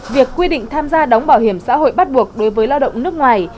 việc quy định tham gia đóng bảo hiểm xã hội bắt buộc đối với lao động nước ngoài